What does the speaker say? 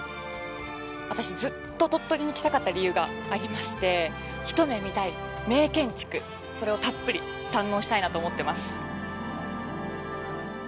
私、ずっと鳥取に来たかった理由がありまして、一目見たい名建築それをたっぷり堪能したいなと思っています。